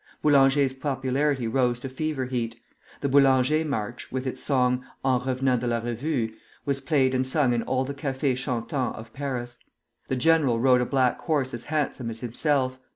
Boulanger's popularity rose to fever heat. The Boulanger March, with its song, "En revenant de la revue," was played and sung in all the cafés chantants of Paris. The general rode a black horse as handsome as himself.